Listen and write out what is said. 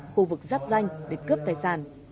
khu vực giáp danh để cướp tài sản